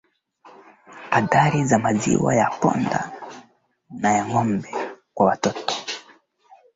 Mahakama ya Shirikisho New York imemkuta El Chapo na hatia